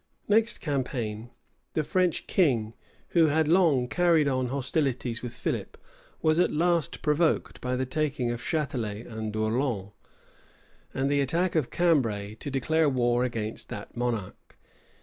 Next campaign, the French king, who had long carried on hostilities with Philip, was at last provoked, by the taking of Chatelet and Dourlens, and the attack of Cambray, to declare war against that monarch.